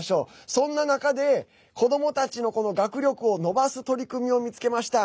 そんな中で子どもたちの学力を伸ばす取り組みを見つけました。